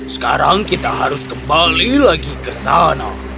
sekarang kita harus kembali lagi ke sana